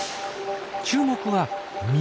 注目は耳。